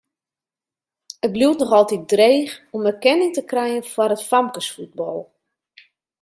It bliuwt noch altyd dreech om erkenning te krijen foar it famkesfuotbal.